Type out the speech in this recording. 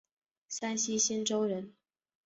山西忻州人。